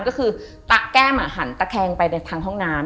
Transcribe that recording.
ก็คือตะแก้มหันตะแคงไปในทางห้องน้ำ